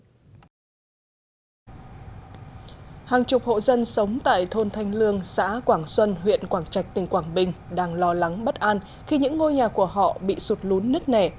hàng chục hộ dân sống tại thôn thanh lương xã quảng xuân huyện quảng trạch tỉnh quảng bình đang lo lắng bất an khi những ngôi nhà của họ bị sụt lún nứt nẻ